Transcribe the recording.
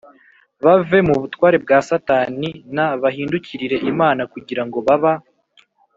bave mu butware bwa Satani n bahindukirire Imana kugira ngo baba